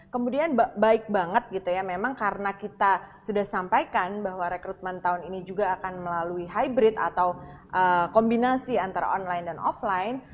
kemudian baik banget gitu ya memang karena kita sudah sampaikan bahwa rekrutmen tahun ini juga akan melalui hybrid atau kombinasi antara online dan offline